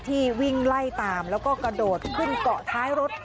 วิ่งไล่ตามแล้วก็กระโดดขึ้นเกาะท้ายรถ